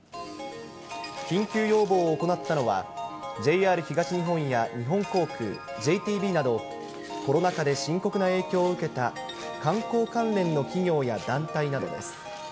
緊急要望を行ったのは、ＪＲ東日本や日本航空、ＪＴＢなど、コロナ禍で深刻な影響を受けた観光関連の企業や団体などです。